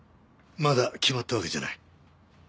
まだ決まったわけじゃない。